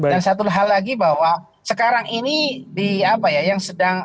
dan satu hal lagi bahwa sekarang ini di apa ya yang sedang